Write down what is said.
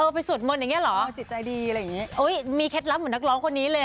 ไปสวดมนตร์อย่างนี้เหรอมีเคล็ดล้ำเหมือนนักร้องคนนี้เลย